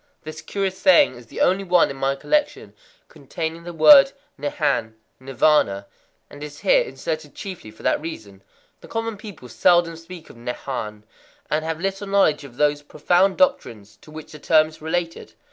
This curious saying is the only one in my collection containing the word Nehan (Nirvâna), and is here inserted chiefly for that reason. The common people seldom speak of Nehan, and have little knowledge of those profound doctrines to which the term is related.